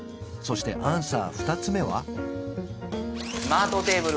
そしてアンサー２つ目は？